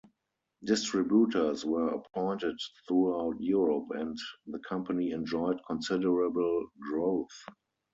Distributors were appointed throughout Europe and the company enjoyed considerable growth.